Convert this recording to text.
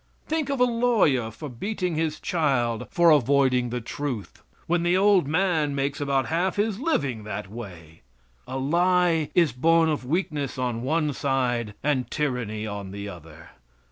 Think of a lawyer for beating his child for avoiding the truth! when the old man makes about half his living that way. A lie is born of weakness on one side and tyranny on the other.